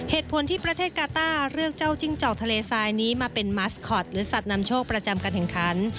เหตุผลที่ประเทศกาต้าเลือกเจ้าจิ้งจอกทะเลทรายนี้มาเป็นมัสคอตหรือสัตว์นำโชคประจำการแข่งขัน